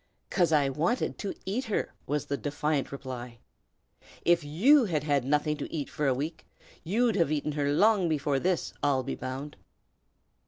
"'Cause I wanted to eat her!" was the defiant reply. "If you had had nothing to eat for a week, you'd have eaten her long before this, I'll be bound!"